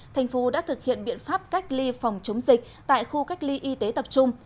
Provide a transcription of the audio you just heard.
thành phố đã thực hiện biện pháp cách ly phòng chống dịch tại khu cách ly y tế tập trung